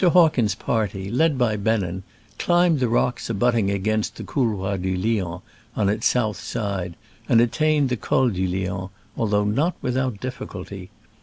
Hawkins' party, led by Bennen, climbed the rocks ^abutting against the Couloir du Lion on its south side, and attained the Col du Lion, although not without difficulty.